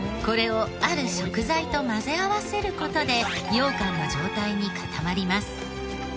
これをある食材と混ぜ合わせる事でようかんの状態に固まります。